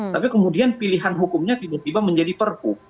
tapi kemudian pilihan hukumnya tiba tiba menjadi perpu